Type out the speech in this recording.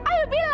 ayo beritahu aku